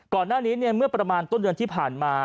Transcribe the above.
ก่อนหน้านี้เมื่อประมาณต้นเดือนที่ผ่านมา